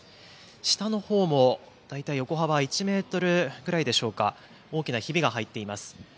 下のほうも大体、横幅１メートルぐらいでしょうか、大きなひびが入っています。